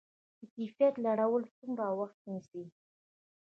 د کیفیت لوړول څومره وخت نیسي؟